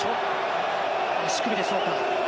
足首でしょうか。